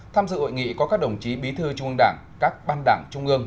tham dự hội nghị có các đồng chí bí thư trung ương đảng các ban đảng trung ương